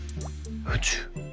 宇宙？